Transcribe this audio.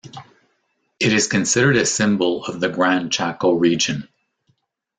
It is considered a symbol of the Gran Chaco region.